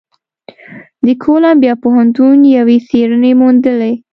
د کولمبیا پوهنتون یوې څېړنې موندلې،